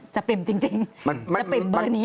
ปริ่มจริงจะปริ่มเบอร์นี้